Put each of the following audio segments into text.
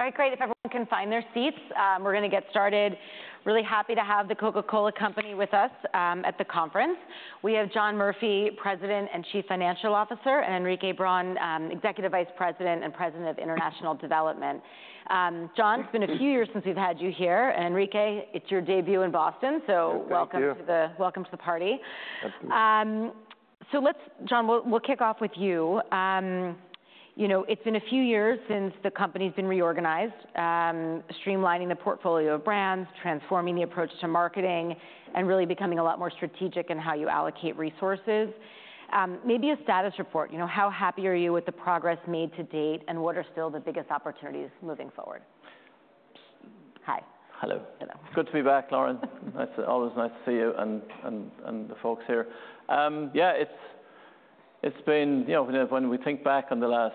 All right, great. If everyone can find their seats, we're gonna get started. Really happy to have The Coca-Cola Company with us, at the conference. We have John Murphy, President and Chief Financial Officer, and Henrique Braun, Executive Vice President and President of International Development. John, it's been a few years since we've had you here, and Henrique, it's your debut in Boston, so- Thank you. Welcome to the party. Thank you. So, let's, John, we'll kick off with you. You know, it's been a few years since the company's been reorganized, streamlining the portfolio of brands, transforming the approach to marketing, and really becoming a lot more strategic in how you allocate resources. Maybe a status report. You know, how happy are you with the progress made to date, and what are still the biggest opportunities moving forward? Hi. Hello. Hello. It's good to be back, Lauren. Always nice to see you and the folks here. Yeah, it's been. You know, when we think back on the last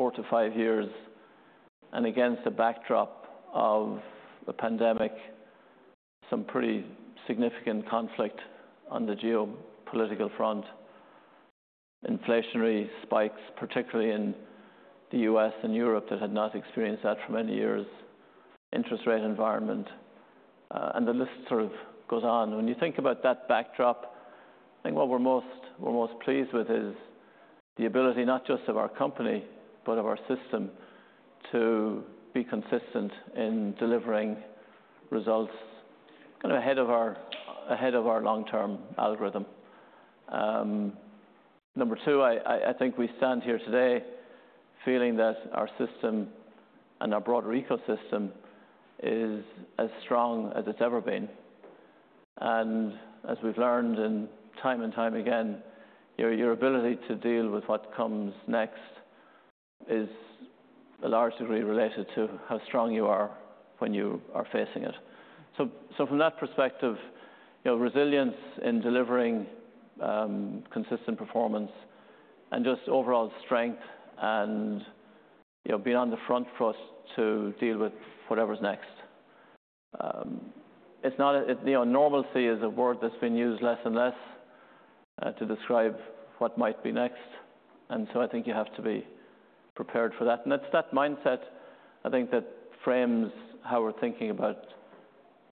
four to five years, and against the backdrop of the pandemic, some pretty significant conflict on the geopolitical front, inflationary spikes, particularly in the U.S. and Europe, that had not experienced that for many years, interest rate environment, and the list sort of goes on. When you think about that backdrop, I think what we're most pleased with is the ability, not just of our company, but of our system, to be consistent in delivering results kind of ahead of our long-term algorithm. Number two, I think we stand here today feeling that our system and our broader ecosystem is as strong as it's ever been. And as we've learned time and time again, your ability to deal with what comes next is a large degree related to how strong you are when you are facing it. So from that perspective, you know, resilience in delivering consistent performance and just overall strength and, you know, being on the front foot to deal with whatever's next. It's not a. You know, normalcy is a word that's been used less and less to describe what might be next, and so I think you have to be prepared for that. And it's that mindset, I think, that frames how we're thinking about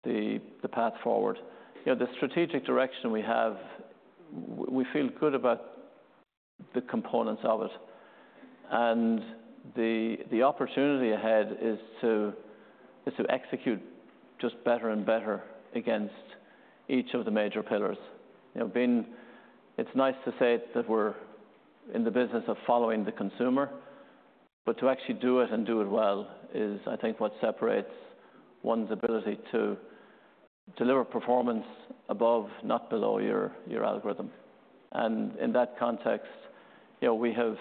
the path forward. You know, the strategic direction we have. We feel good about the components of it, and the opportunity ahead is to execute just better and better against each of the major pillars. You know, it's nice to say that we're in the business of following the consumer, but to actually do it and do it well is, I think, what separates one's ability to deliver performance above, not below, your algorithm. And in that context, you know, we have,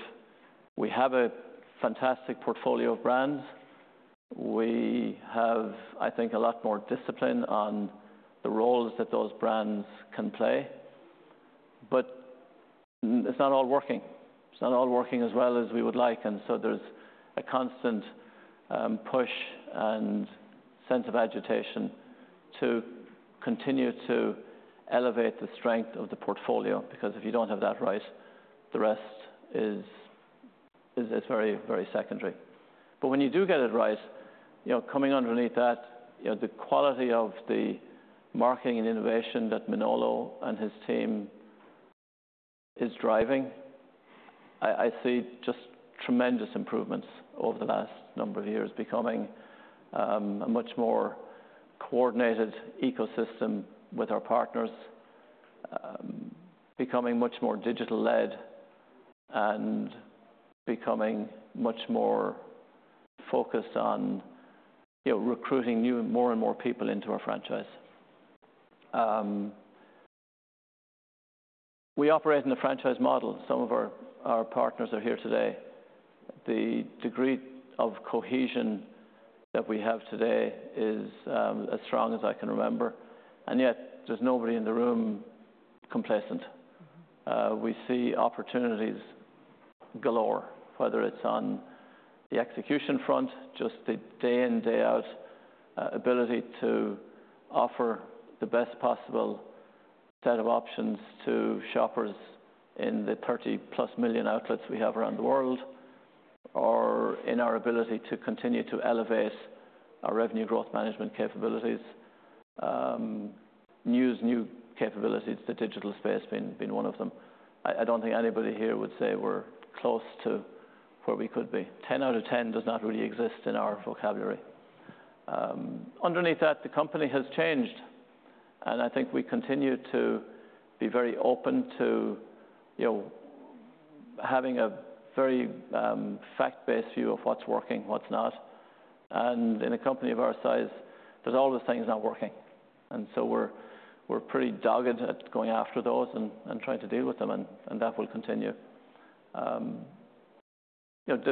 we have a fantastic portfolio of brands. We have, I think, a lot more discipline on the roles that those brands can play, but it's not all working. It's not all working as well as we would like, and so there's a constant push and sense of agitation to continue to elevate the strength of the portfolio. Because if you don't have that right, the rest is, it's very, very secondary. But when you do get it right, you know, coming underneath that, you know, the quality of the marketing and innovation that Manolo and his team is driving, I see just tremendous improvements over the last number of years, becoming a much more coordinated ecosystem with our partners, becoming much more digital-led and becoming much more focused on, you know, recruiting new, more and more people into our franchise. We operate in a franchise model. Some of our partners are here today. The degree of cohesion that we have today is as strong as I can remember, and yet there's nobody in the room complacent. We see opportunities galore, whether it's on the execution front, just the day in, day out, ability to offer the best possible set of options to shoppers in the 30+ million outlets we have around the world, or in our ability to continue to elevate our revenue growth management capabilities, use new capabilities, the digital space being one of them. I don't think anybody here would say we're close to where we could be. 10 out of 10 does not really exist in our vocabulary. Underneath that, the company has changed, and I think we continue to be very open to, you know, having a very fact-based view of what's working, what's not. In a company of our size, there's always things not working, and so we're pretty dogged at going after those and trying to deal with them, and that will continue. You know,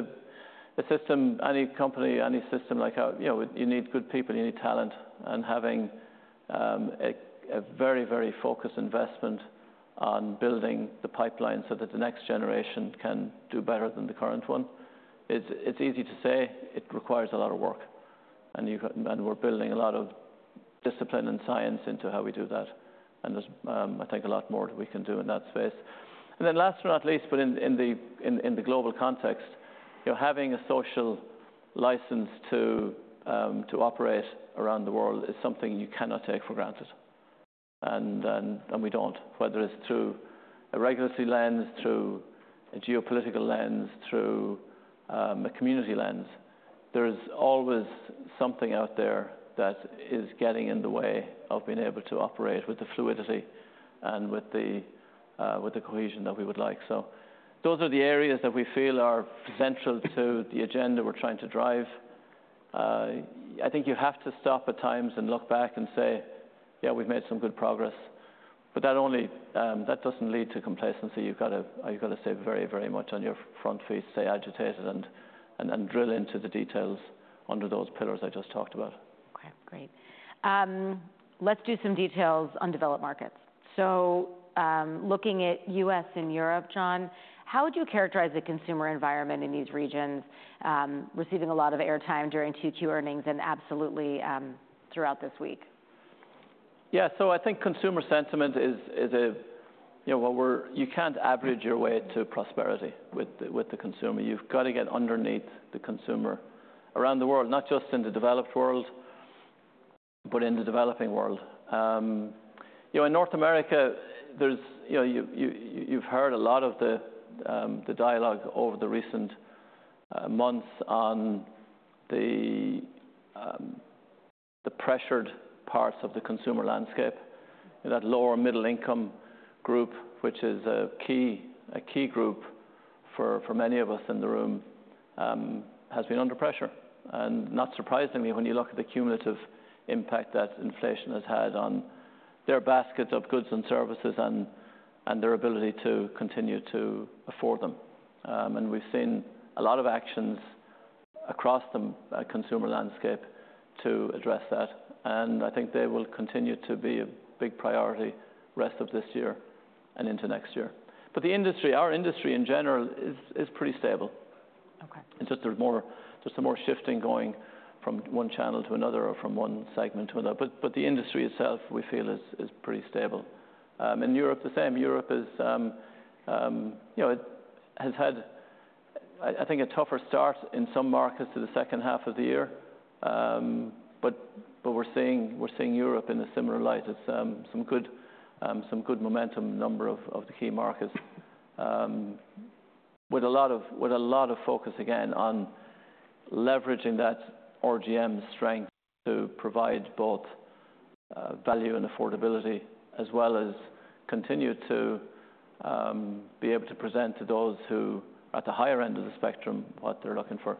the system, any company, any system like ours. You know, you need good people, you need talent, and having a very focused investment on building the pipeline so that the next generation can do better than the current one. It's easy to say. It requires a lot of work. And we're building a lot of discipline and science into how we do that, and there's, I think, a lot more that we can do in that space. Then last but not least, in the global context, you're having a social license to operate around the world is something you cannot take for granted, and we don't. Whether it's through a regulatory lens, through a geopolitical lens, through a community lens, there's always something out there that is getting in the way of being able to operate with the fluidity and with the cohesion that we would like. So those are the areas that we feel are central to the agenda we're trying to drive. I think you have to stop at times and look back and say, "Yeah, we've made some good progress." But that doesn't lead to complacency. You've gotta stay very, very much on your front feet, stay agitated, and drill into the details under those pillars I just talked about. Okay, great. Let's do some details on developed markets. So, looking at U.S. and Europe, John, how would you characterize the consumer environment in these regions, receiving a lot of airtime during Q2 earnings and absolutely, throughout this week? Yeah, so I think consumer sentiment is a. You know, well, you can't average your way to prosperity with the consumer. You've gotta get underneath the consumer around the world, not just in the developed world, but in the developing world. You know, in North America, there's, you know, you've heard a lot of the dialogue over the recent months on the pressured parts of the consumer landscape. That lower middle income group, which is a key group for many of us in the room, has been under pressure, and not surprisingly, when you look at the cumulative impact that inflation has had on their basket of goods and services and their ability to continue to afford them. And we've seen a lot of actions across the consumer landscape to address that, and I think they will continue to be a big priority rest of this year and into next year. But the industry, our industry in general, is pretty stable. Okay. It's just there's more, just some more shifting going from one channel to another or from one segment to another, but the industry itself, we feel, is pretty stable. In Europe, the same. Europe is. You know, it has had, I think, a tougher start in some markets to the second half of the year. But we're seeing Europe in a similar light as some good momentum number of the key markets. With a lot of focus, again, on leveraging that RGM strength to provide both value and affordability, as well as continue to be able to present to those who, at the higher end of the spectrum, what they're looking for.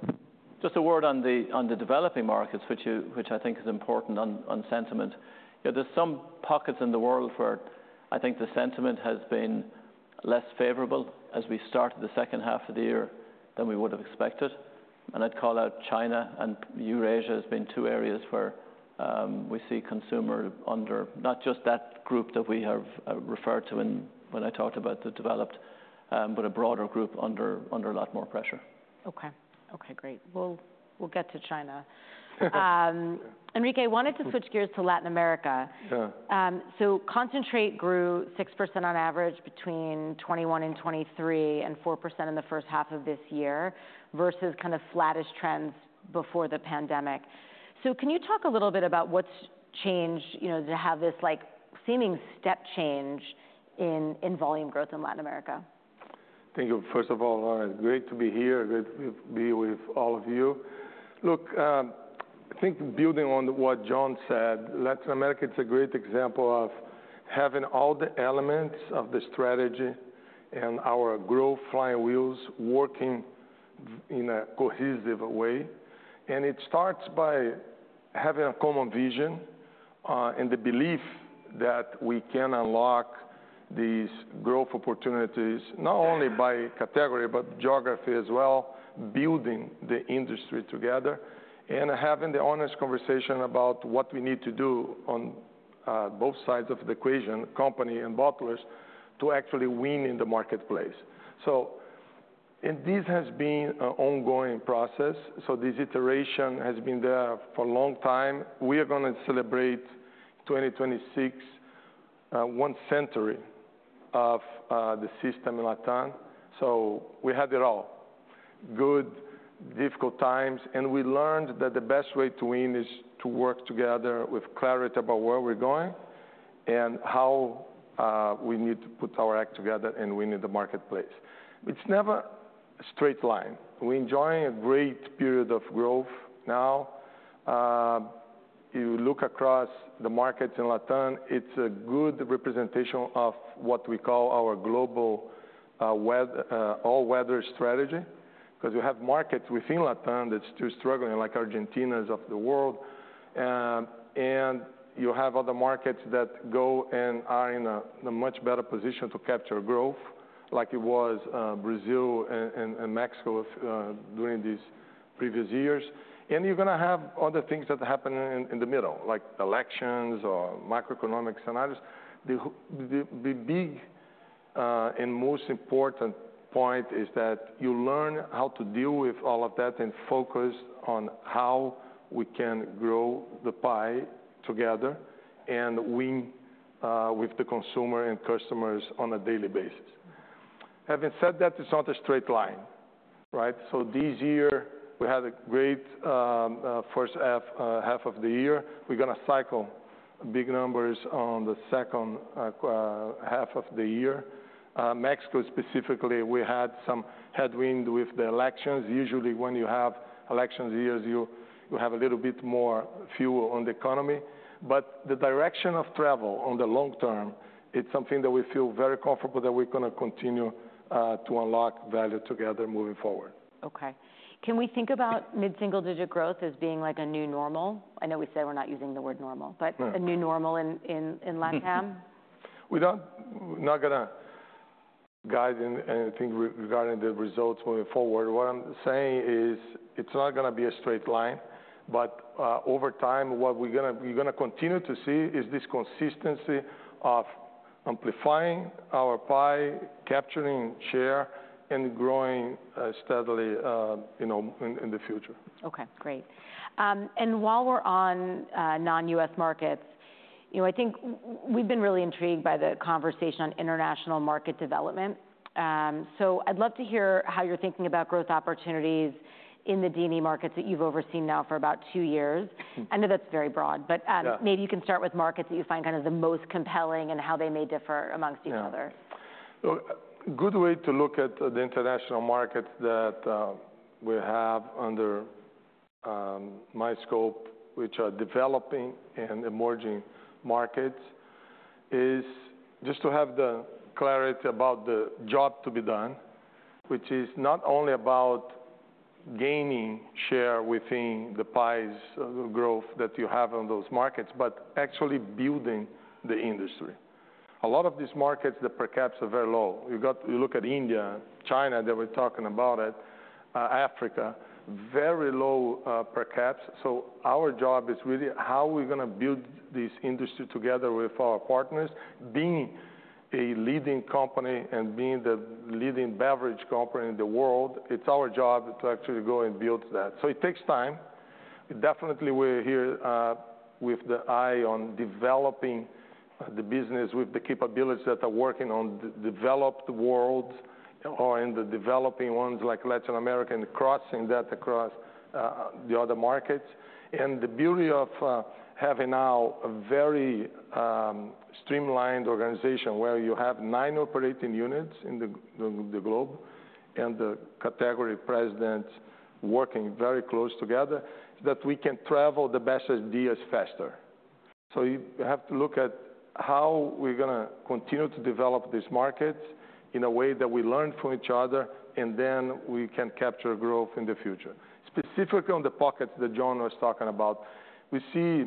Just a word on the developing markets, which I think is important on sentiment. You know, there's some pockets in the world where I think the sentiment has been less favorable as we start the second half of the year than we would've expected, and I'd call out China and Eurasia has been two areas where we see consumer under. Not just that group that we have referred to in when I talked about the developed, but a broader group under a lot more pressure. Okay. Okay, great. We'll get to China. Henrique, I wanted to switch gears to Latin America. Sure. So concentrate grew 6% on average between 2021 and 2023, and 4% in the first half of this year, versus kind of flattish trends before the pandemic. So can you talk a little bit about what's changed, you know, to have this, like, seeming step change in volume growth in Latin America? Thank you. First of all, Lauren, great to be here, great to be with all of you. Look, I think building on what John said, Latin America is a great example of having all the elements of the strategy and our growth flying wheels working in a cohesive way, and it starts by having a common vision and the belief that we can unlock these growth opportunities, not only by category, but geography as well, building the industry together, and having the honest conversation about what we need to do on both sides of the equation, company and bottlers, to actually win in the marketplace. And this has been an ongoing process, so this iteration has been there for a long time. We are gonna celebrate 2026, one century of the system in LATAM, so we had it all. Good, difficult times, and we learned that the best way to win is to work together with clarity about where we're going, and how we need to put our act together and win in the marketplace. It's never a straight line. We're enjoying a great period of growth now. You look across the markets in LATAM, it's a good representation of what we call our global all-weather strategy, 'cause you have markets within LATAM that's still struggling, like Argentinas of the world, and you have other markets that go and are in a much better position to capture growth, like it was Brazil and Mexico during these previous years, and you're gonna have other things that happen in the middle, like elections or macroeconomic scenarios. The big and most important point is that you learn how to deal with all of that and focus on how we can grow the pie together, and win with the consumer and customers on a daily basis. Having said that, it's not a straight line, right? So this year, we had a great first half of the year. We're gonna cycle big numbers on the second half of the year. Mexico specifically, we had some headwind with the elections. Usually, when you have election years, you have a little bit more fuel on the economy. But the direction of travel on the long term, it's something that we feel very comfortable that we're gonna continue to unlock value together moving forward. Okay. Can we think about mid-single-digit growth as being like a new normal? I know we said we're not using the word normal- Yeah. -but a new normal in LATAM? We're not, we're not gonna guide in anything regarding the results moving forward. What I'm saying is, it's not gonna be a straight line, but over time, what we're gonna continue to see is this consistency of amplifying our pie, capturing share, and growing steadily, you know, in the future. Okay, great. And while we're on non-US markets, you know, I think we've been really intrigued by the conversation on international market development. So I'd love to hear how you're thinking about growth opportunities in the DME markets that you've overseen now for about two years. Mm. I know that's very broad, but, Yeah... maybe you can start with markets that you find kind of the most compelling, and how they may differ amongst each other. Yeah. So a good way to look at the international market that we have under my scope, which are developing and emerging markets, is just to have the clarity about the job to be done, which is not only about gaining share within the pies growth that you have on those markets, but actually building the industry. A lot of these markets, the per caps are very low. You look at India, China, that we're talking about Africa, very low per caps. So our job is really how are we gonna build this industry together with our partners? Being a leading company and being the leading beverage company in the world, it's our job to actually go and build that. So it takes time. Definitely, we're here with an eye on developing the business, with the capabilities that are working in developed world or in the developing ones, like Latin America, and crossing that across the other markets, and the beauty of having now a very streamlined organization, where you have nine operating units in the globe, and the category president working very close together, is that we can travel the best ideas faster, so you have to look at how we're gonna continue to develop this market in a way that we learn from each other, and then we can capture growth in the future. Specifically, on the pockets that John was talking about, we see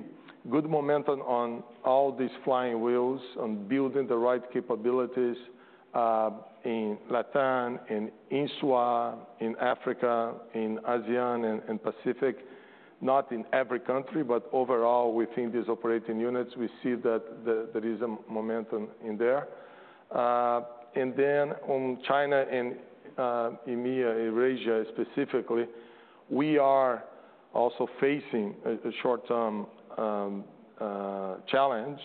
good momentum on all these flying wheels, on building the right capabilities in LATAM, in INSWA, in Africa, in ASEAN, and Pacific. Not in every country, but overall, within these operating units, we see that there is a momentum in there. And then on China and, EMEA, Eurasia specifically, we are also facing a short-term challenge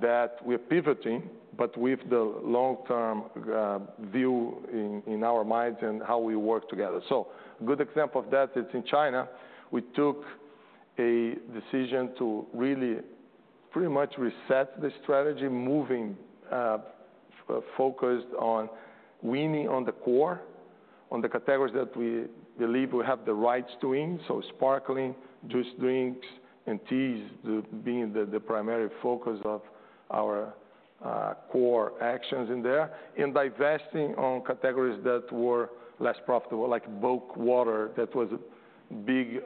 that we're pivoting, but with the long-term view in our minds and how we work together. So a good example of that is in China. We took a decision to really pretty much reset the strategy, moving focused on winning on the core, on the categories that we believe we have the rights to win, so sparkling, juice drinks, and teas being the primary focus of our core actions in there. And divesting on categories that were less profitable, like bulk water, that was a big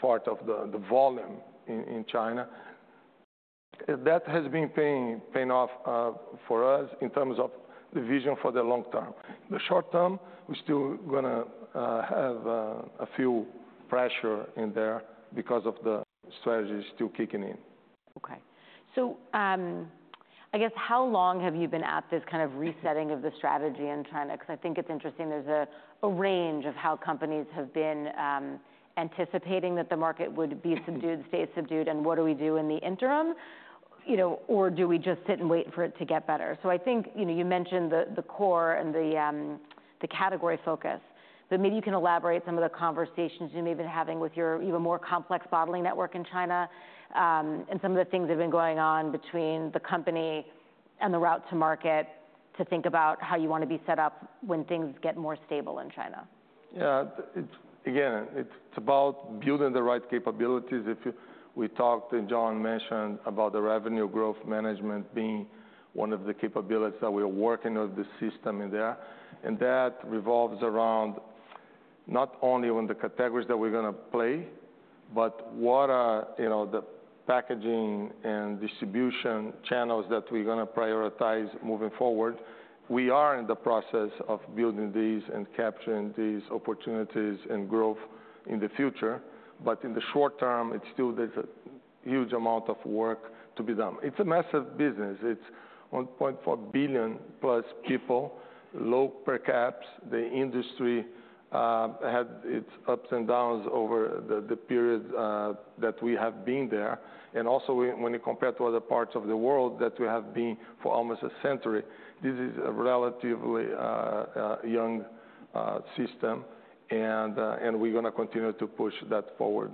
part of the volume in China. That has been paying off for us in terms of the vision for the long term. The short term, we're still gonna have a few pressure in there because of the strategy still kicking in. Okay. So, I guess how long have you been at this kind of resetting of the strategy in China? 'Cause I think it's interesting, there's a range of how companies have been anticipating that the market would be subdued, stay subdued, and what do we do in the interim? You know, or do we just sit and wait for it to get better? So I think, you know, you mentioned the core and the category focus, but maybe you can elaborate some of the conversations you may have been having with your even more complex bottling network in China, and some of the things that have been going on between the company and the route to market, to think about how you want to be set up when things get more stable in China. Yeah. Again, it's about building the right capabilities. We talked, and John mentioned about the revenue growth management being one of the capabilities that we're working on the system in there, and that revolves around not only on the categories that we're gonna play, but what are, you know, the packaging and distribution channels that we're gonna prioritize moving forward. We are in the process of building these and capturing these opportunities and growth in the future, but in the short term, it's still there's a huge amount of work to be done. It's a massive business. It's 1.4 billion-plus people, low per caps. The industry had its ups and downs over the period that we have been there. And also, when you compare to other parts of the world that we have been for almost a century, this is a relatively young system, and we're gonna continue to push that forward,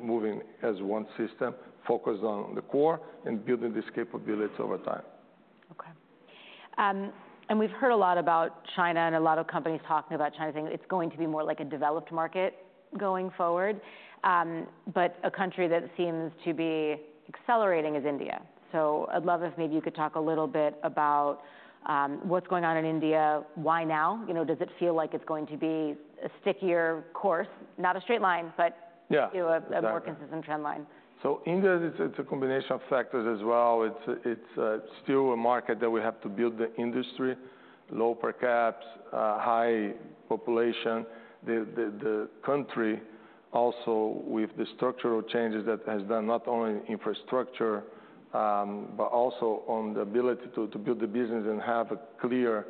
moving as one system, focused on the core and building these capabilities over time. Okay. And we've heard a lot about China, and a lot of companies talking about China, saying it's going to be more like a developed market going forward. But a country that seems to be accelerating is India. So I'd love if maybe you could talk a little bit about what's going on in India. Why now? You know, does it feel like it's going to be a stickier course, not a straight line, but- Yeah, exactly. You know, a more consistent trend line? So India is, it's a combination of factors as well. It's still a market that we have to build the industry, low per caps, high population. The country also with the structural changes that has done not only infrastructure, but also on the ability to build the business and have a clear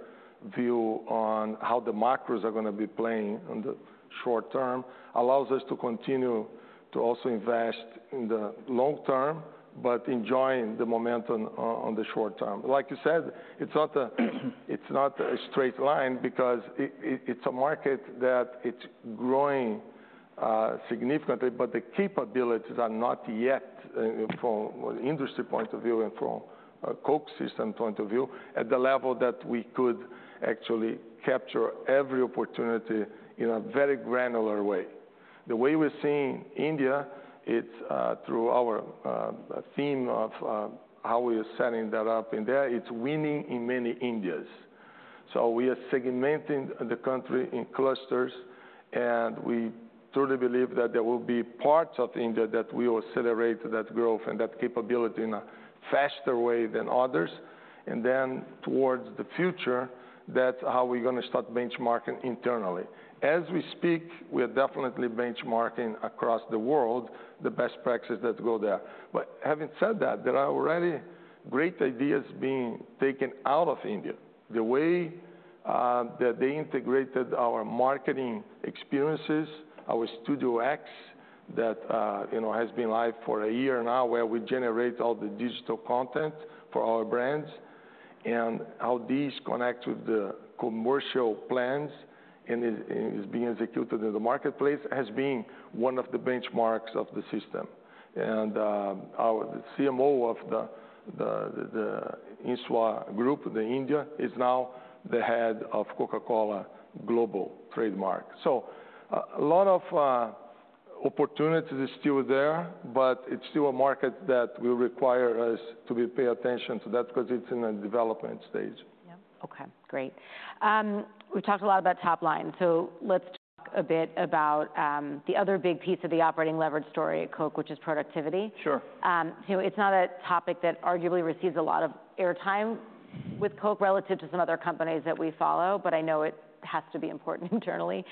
view on how the macros are gonna be playing on the short term, allows us to continue to also invest in the long term, but enjoying the momentum on the short term. Like you said, it's not a straight line because it's a market that it's growing significantly, but the capabilities are not yet from an industry point of view and from a Coke system point of view, at the level that we could actually capture every opportunity in a very granular way. The way we're seeing India, it's through our theme of how we are setting that up in there, it's winning in many Indias. So we are segmenting the country in clusters, and we truly believe that there will be parts of India that we will accelerate that growth and that capability in a faster way than others. And then towards the future, that's how we're gonna start benchmarking internally. As we speak, we are definitely benchmarking across the world, the best practices that go there. But having said that, there are already great ideas being taken out of India. The way that they integrated our marketing experiences, our Studio X, that you know has been live for a year now, where we generate all the digital content for our brands and how these connect with the commercial plans and is being executed in the marketplace, has been one of the benchmarks of the system. Our CMO of the INSWA group, the India, is now the head of Coca-Cola Global Trademark. So a lot of opportunity is still there, but it's still a market that will require us to pay attention to that because it's in a development stage. Yeah. Okay, great. We've talked a lot about top line, so let's talk a bit about the other big piece of the operating leverage story at Coke, which is productivity. Sure. You know, it's not a topic that arguably receives a lot of airtime with Coke relative to some other companies that we follow, but I know it has to be important internally.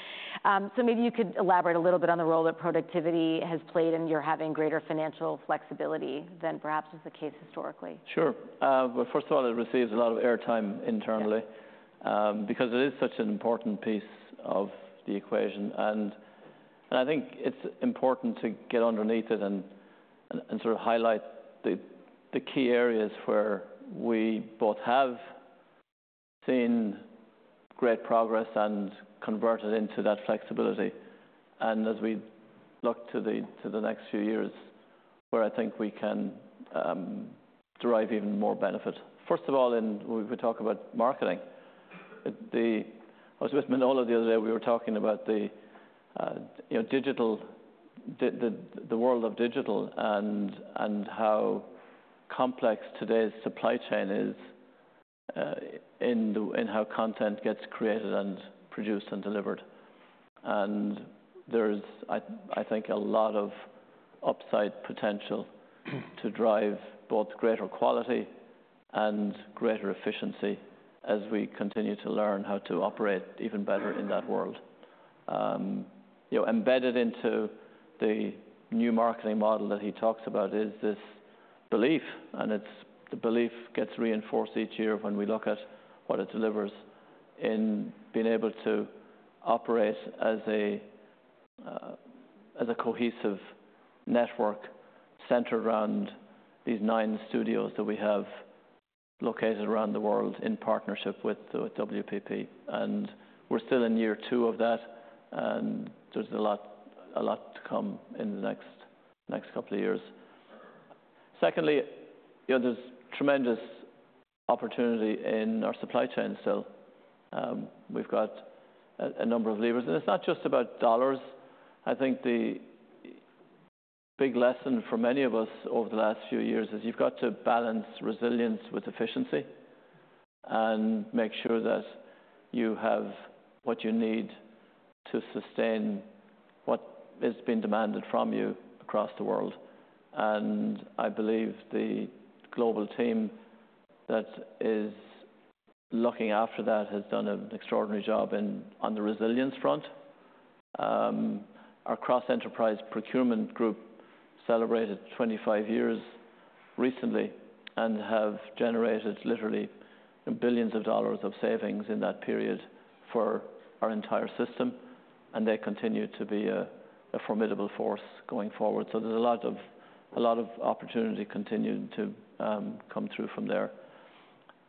So maybe you could elaborate a little bit on the role that productivity has played, and you're having greater financial flexibility than perhaps was the case historically? Sure. Well, first of all, it receives a lot of airtime internally- Yeah because it is such an important piece of the equation. And I think it's important to get underneath it and sort of highlight the key areas where we both have seen great progress and converted into that flexibility, and as we look to the next few years, where I think we can derive even more benefit. First of all, we could talk about marketing. I was with Manolo the other day. We were talking about you know, digital, the world of digital and how complex today's supply chain is in how content gets created and produced and delivered. And there's I think a lot of upside potential to drive both greater quality and greater efficiency as we continue to learn how to operate even better in that world. You know, embedded into the new marketing model that he talks about is this belief, and it's the belief gets reinforced each year when we look at what it delivers in being able to operate as a, as a cohesive network centered around these nine studios that we have located around the world in partnership with WPP. And we're still in year two of that, and there's a lot to come in the next couple of years. Secondly, you know, there's tremendous opportunity in our supply chain, so we've got a number of levers. And it's not just about dollars. I think the big lesson for many of us over the last few years is, you've got to balance resilience with efficiency and make sure that you have what you need to sustain what is being demanded from you across the world. And I believe the global team looking after that has done an extraordinary job in, on the resilience front. Our cross-enterprise procurement group celebrated twenty-five years recently and have generated literally billions of dollars of savings in that period for our entire system, and they continue to be a formidable force going forward. So there's a lot of opportunity continuing to come through from there.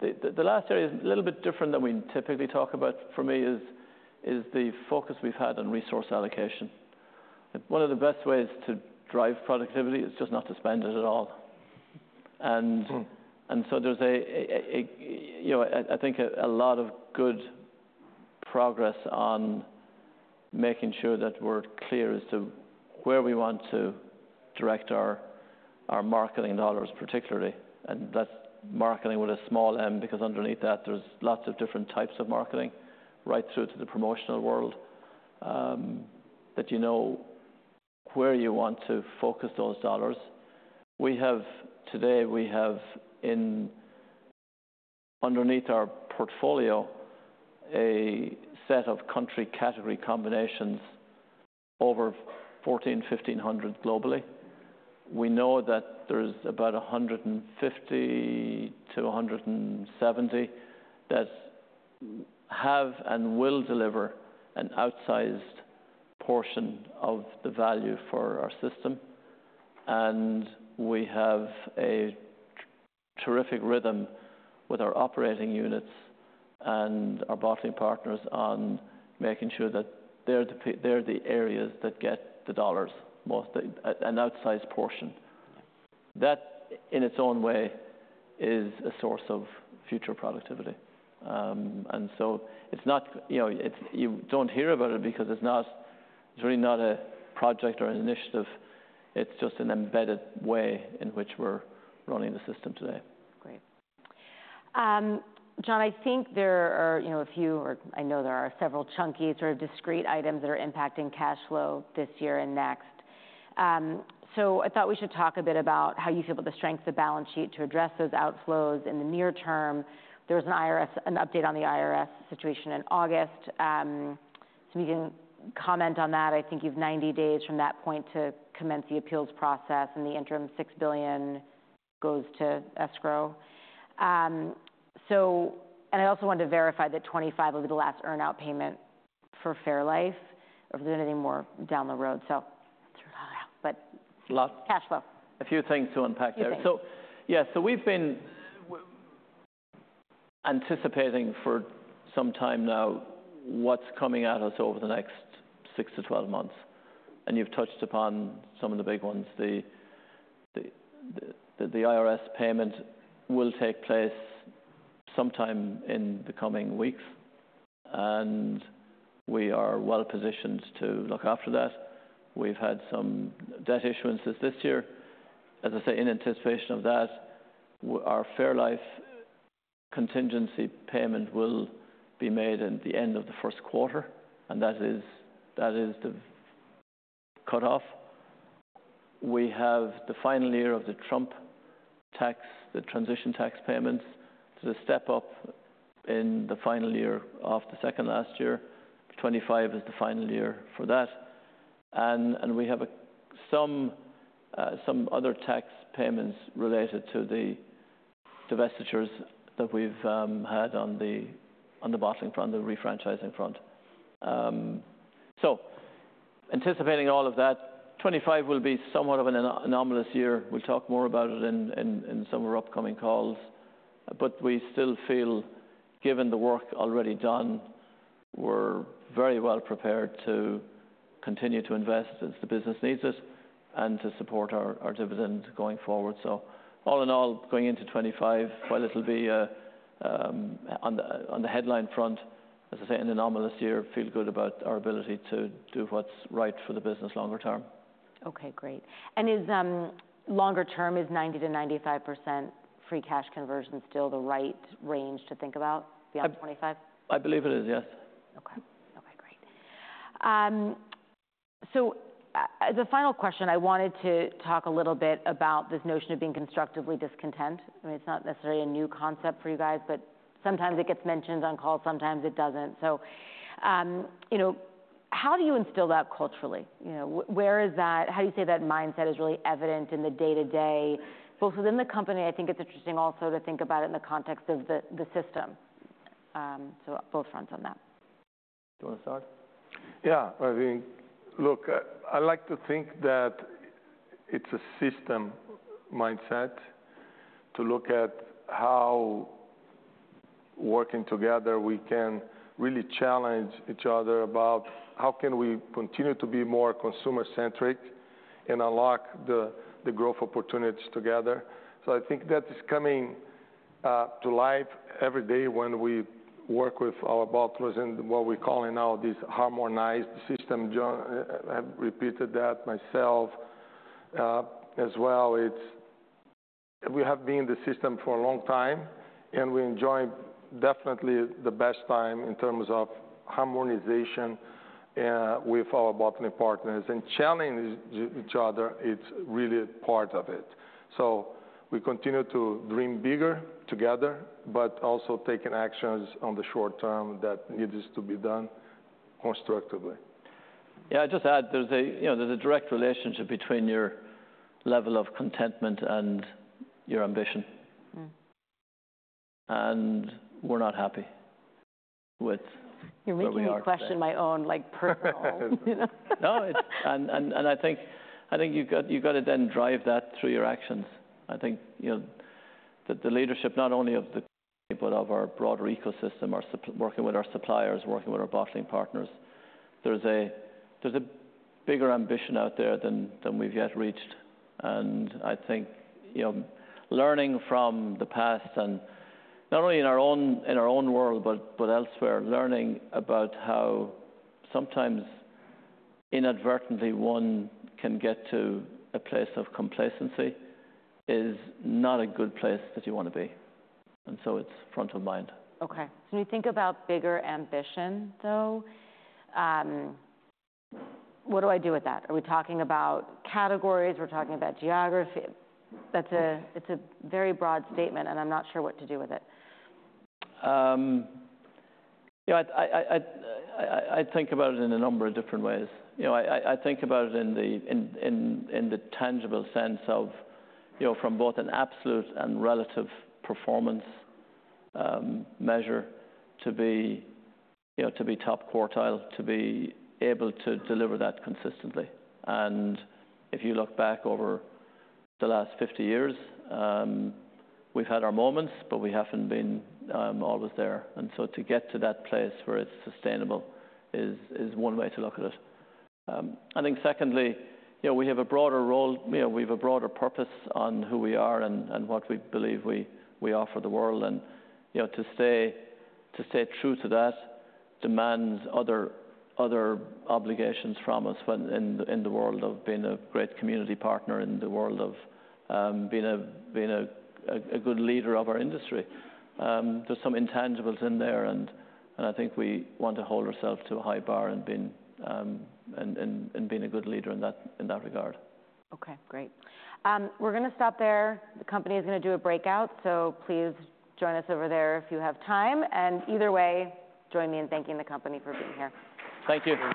The last area is a little bit different than we typically talk about for me, is the focus we've had on resource allocation. One of the best ways to drive productivity is just not to spend it at all. And so there's, you know, I think a lot of good progress on making sure that we're clear as to where we want to direct our marketing dollars, particularly, and that's marketing with a small m, because underneath that, there's lots of different types of marketing right through to the promotional world, that you know where you want to focus those dollars. Today, we have underneath our portfolio, a set of country category combinations, over 14, 15,000 globally. We know that there's about a 150-170 that have and will deliver an outsized portion of the value for our system. We have a terrific rhythm with our operating units and our bottling partners on making sure that they're the areas that get the dollars, mostly, at an outsized portion. That, in its own way, is a source of future productivity. So it's not, you know, you don't hear about it because it's not, it's really not a project or an initiative. It's just an embedded way in which we're running the system today. Great. John, I think there are, you know, a few, or I know there are several chunky, sort of, discrete items that are impacting cash flow this year and next. So I thought we should talk a bit about how you feel about the strength of the balance sheet to address those outflows in the near term. There was an IRS update on the IRS situation in August. So we can comment on that. I think you've 90 days from that point to commence the appeals process. In the interim, $6 billion goes to escrow. And I also wanted to verify that $25 million will be the last earn-out payment for Fairlife, or if there are any more down the road. So, but- A lot- Cash flow. A few things to unpack there. A few things. Yeah, we've been anticipating for some time now what's coming at us over the next 6-12 months, and you've touched upon some of the big ones. The IRS payment will take place sometime in the coming weeks, and we are well positioned to look after that. We've had some debt issuances this year. As I say, in anticipation of that, our Fairlife contingency payment will be made at the end of the first quarter, and that is the cutoff. We have the final year of the Trump tax, the transition tax payments, to step up in the final year of the second last year. 2025 is the final year for that. We have some other tax payments related to the divestitures that we've had on the bottling front, the refranchising front. So anticipating all of that, 2025 will be somewhat of an anomalous year. We'll talk more about it in some of our upcoming calls. But we still feel, given the work already done, we're very well prepared to continue to invest as the business needs it and to support our dividend going forward. So all in all, going into 2025, while it'll be on the headline front, as I say, an anomalous year, feel good about our ability to do what's right for the business longer term. Okay, great. And is, longer term, is 90%-95% free cash conversion still the right range to think about beyond 2025? I believe it is, yes. Okay. Okay, great. So, as a final question, I wanted to talk a little bit about this notion of being constructively discontent. I mean, it's not necessarily a new concept for you guys, but sometimes it gets mentioned on calls, sometimes it doesn't. So, you know, how do you instill that culturally? You know, where is that-- How do you say that mindset is really evident in the day-to-day, both within the company, I think it's interesting also to think about it in the context of the, the system. So both fronts on that. Do you want to start? Yeah, I mean, look, I like to think that it's a system mindset to look at how working together, we can really challenge each other about how can we continue to be more consumer centric and unlock the growth opportunities together. So I think that is coming to life every day when we work with our bottlers in what we're calling now this harmonized system. John, I've repeated that myself, as well. We have been in the system for a long time, and we enjoy definitely the best time in terms of harmonization with our bottling partners. And challenging each other, it's really a part of it. So we continue to dream bigger together, but also taking actions on the short term that needs to be done constructively. Yeah, I'd just add, there's a, you know, there's a direct relationship between your level of contentment and your ambition. Mm. We're not happy with where we are today. You're making me question my own, like, personal. No, it's. And I think you've got. You've gotta then drive that through your actions. I think you know that the leadership, not only of the company, but of our broader ecosystem, working with our suppliers, working with our bottling partners, there's a bigger ambition out there than we've yet reached. And I think you know, learning from the past, not only in our own world, but elsewhere, learning about how sometimes inadvertently one can get to a place of complacency is not a good place that you wanna be. And so it's front of mind. Okay. When you think about bigger ambition, though, what do I do with that? Are we talking about categories? We're talking about geography? That's, it's a very broad statement, and I'm not sure what to do with it. You know, I think about it in a number of different ways. You know, I think about it in the tangible sense of, you know, from both an absolute and relative performance measure to be, you know, to be top quartile, to be able to deliver that consistently. And if you look back over the last 50 years, we've had our moments, but we haven't been always there. And so to get to that place where it's sustainable is one way to look at it. I think secondly, you know, we have a broader role. You know, we've a broader purpose on who we are and what we believe we offer the world. And, you know, to stay true to that demands other obligations from us when in the world of being a great community partner, in the world of being a good leader of our industry. There's some intangibles in there, and I think we want to hold ourselves to a high bar in being a good leader in that regard. Okay, great. We're gonna stop there. The company is gonna do a breakout, so please join us over there if you have time. And either way, join me in thanking the company for being here. Thank you, everyone.